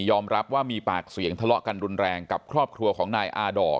รับว่ามีปากเสียงทะเลาะกันรุนแรงกับครอบครัวของนายอาดอก